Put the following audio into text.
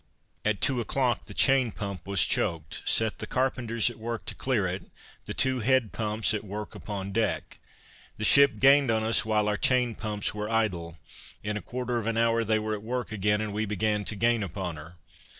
At two o'clock the chain pump was choked; set the carpenters at work to clear it; the two head pumps at work upon deck; the ship gained on us while our chain pumps were idle; in a quarter of an hour they were at work again, and we began to gain upon her.